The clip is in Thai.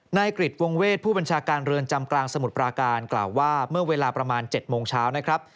นายกริจวงเวทผู้บัญชาการเรือนจำกลางสมุทรปราการกล่าวว่าเมื่อเวลาประมาณ๗โมงเช้านะครับ